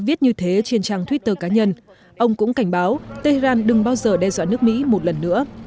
viết như thế trên trang twitter cá nhân ông cũng cảnh báo tehran đừng bao giờ đe dọa nước mỹ một lần nữa